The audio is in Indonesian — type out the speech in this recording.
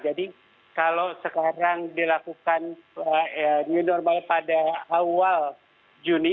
jadi kalau sekarang dilakukan new normal pada awal juni